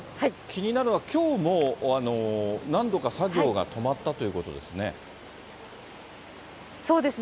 気になるのは、きょうも何度か作業が止まったということですそうですね。